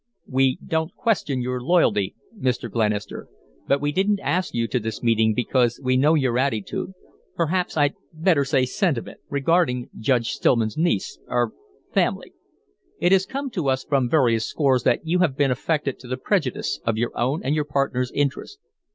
"We don't question your loyalty, Mr. Glenister, but we didn't ask you to this meeting because we know your attitude perhaps I'd better say sentiment regarding Judge Stillman's niece er family. It has come to us from various sources that you have been affected to the prejudice of your own and your partner's interest.